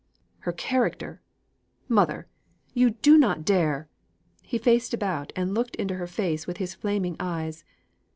"Her character! Mother, you do not dare " he faced about, and looked into her face with his flaming eyes.